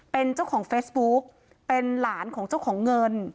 เป็นเจ้าของเฟซบุ๊กเป็นหลานของเจ้าของเงิน